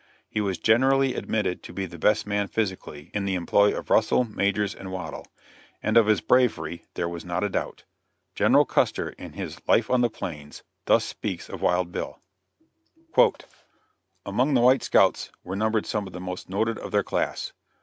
He was generally admitted to be the best man physically, in the employ of Russell, Majors & Waddell; and of his bravery there was not a doubt. General Custer, in his "Life on the Plains," thus speaks of Wild Bill: "Among the white scouts were numbered some of the most noted of their class.